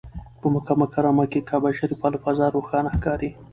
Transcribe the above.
په مکه مکرمه کې کعبه شریفه له فضا روښانه ښکاري.